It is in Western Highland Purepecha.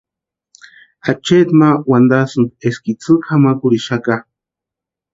Acheeti ma wantasïnti eska itsï kʼamakurhixaka.